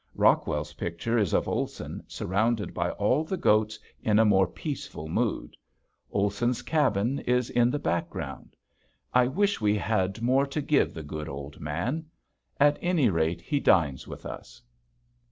Rockwell's picture is of Olson surrounded by all the goats in a more peaceful mood. Olson's cabin is in the background. I wish we had more to give the good old man. At any rate he dines with us.